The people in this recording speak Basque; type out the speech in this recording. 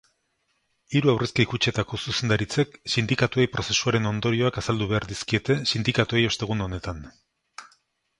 Hiru aurrezki-kutxetako zuzendaritzek sindikatuei prozesuaren ondorioak azaldu behar dizkiete sindikatuei ostegun honetan.